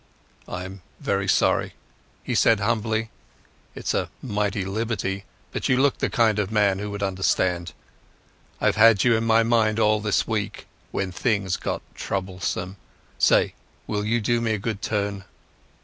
"I'm very sorry," he said humbly. "It's a mighty liberty, but you looked the kind of man who would understand. I've had you in my mind all this week when things got troublesome. Say, will you do me a good turn?"